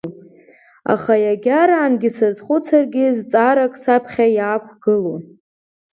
Аха иагьараангьы сазхәыцыргьы зҵаарак саԥхьа иаақәгылон…